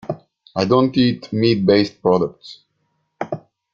I don’t eat meat based products.